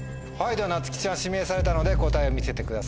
なつきちゃん指名されたので答えを見せてください。